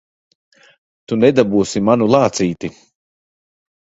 Tu nedabūsi manu lācīti!